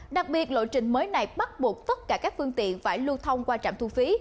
đặc biệt lộ trình mới này bắt buộc tất cả các phương tiện phải lưu thông qua trạm thu phí